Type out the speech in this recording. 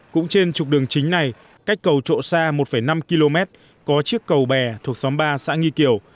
cũng trên trục đường chính này cách cầu trộm xa một năm km có chiếc cầu bè thuộc xóm ba xã nghi kiều